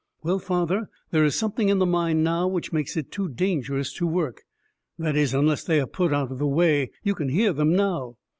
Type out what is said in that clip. "Well, father, there is something in the mine now which makes it too dangerous to work. That is, until they are put out of the way. You can hear them now."